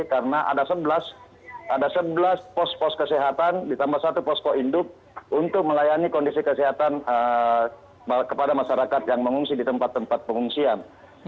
karena ada sebelas pos pos kesehatan ditambah satu posko induk untuk melayani kondisi kesehatan kepada masyarakat yang mengungsi di tempat tempat pengungsian